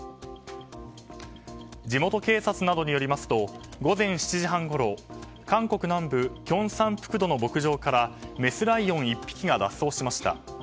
地元警察などによりますと午前７時半ごろ韓国南部キョンサンプクドの牧場からメスライオン１匹が脱走しました。